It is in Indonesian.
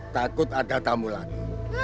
takut ada tamu lagi